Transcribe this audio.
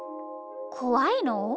こわいの？